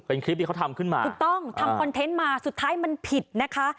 เป็นคลิปที่เขาทำขึ้นมาถูกต้องทำคอนเทนต์มาสุดท้ายมันผิดนะคะ